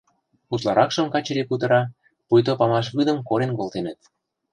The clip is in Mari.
Утларакшым Качыри кутыра, пуйто памаш вӱдым корен колтеныт.